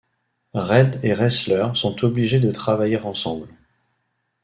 Red et Ressler sont obligés de travailler ensemble.